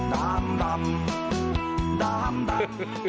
ดำดำดำดำ